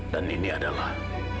dan ini adalah